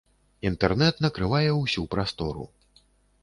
Інтэрнэт накрывае ўсю прастору.